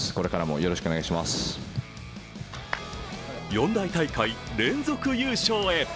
四大大会連続優勝へ。